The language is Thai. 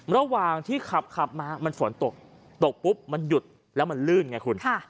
ระหว่างที่ขับขับมามันฝนตกตกปุ๊บมันหยุดแล้วมันลื่นไงคุณ